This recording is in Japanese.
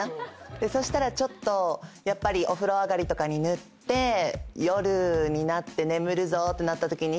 そしたらちょっとやっぱりお風呂上がりに塗って夜になって眠るぞってなったときに。